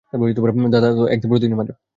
দাদা তো আমাকে প্রতিদিনই মারে।